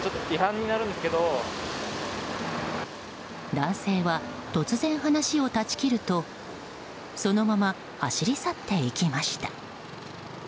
男性は突然、話を断ち切るとそのまま走り去っていきました。